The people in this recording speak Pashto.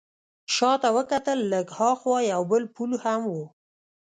شا ته وکتل، لږ ها خوا یو بل پل هم و.